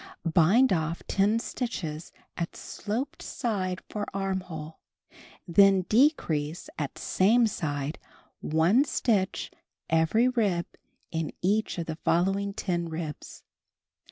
Bind off 10 stitches at sloped side for armhole, then decrease at same side one stitch every rib in each of the following 10 ribs.